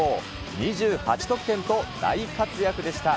２８得点と大活躍でした。